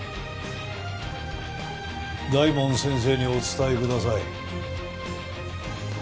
大門先生にお伝えください。